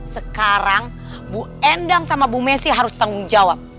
sekarang bu endang sama bu messi harus tanggung jawab